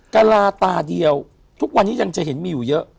กระลาตาเดียวทุกวันนี้ยังจะเห็นมีอยู่เยอะ